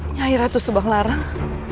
nyai ratu subang larang